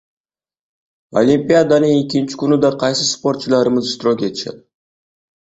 Olimpiadaning ikkinchi kunida qaysi sportchilarimiz ishtirok etishadi?